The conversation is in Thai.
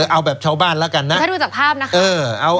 เอาแบบชาวบ้านแล้วกันนะ